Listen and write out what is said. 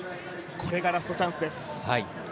これがラストチャンスです。